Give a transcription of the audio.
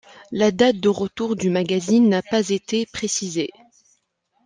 La date de retour du magazine n'a pas été précisée.